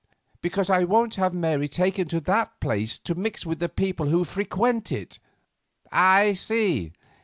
"Because I won't have Mary taken to that place to mix with the people who frequent it." "I see.